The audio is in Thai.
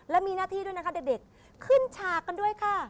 และมีหน้าที่ด้วยนะคะเด็กขึ้นฉากกันด้วยค่ะ